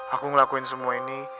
aku ngelakuin semua ini